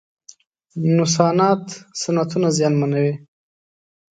نوسانات صنعتونه زیانمنوي.